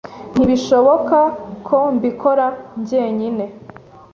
Ntibishoboka ko mbikora njyenyine.